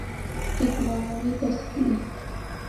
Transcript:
ایک معمولی تصحیح۔